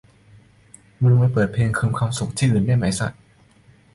มึงไปเปิดเพลงขอคืนความสุขที่อื่นได้ไหมสัส